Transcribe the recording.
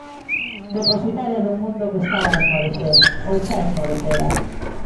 Depositaria dun mundo que estaba a esmorecer, ou xa esmorecera.